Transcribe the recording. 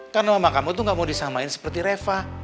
karena mama kamu tuh gak mau disamain seperti reva